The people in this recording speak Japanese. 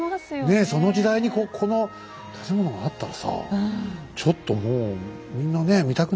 ねえその時代にこの建物があったらさちょっともうみんなね見たくなるよね何かね。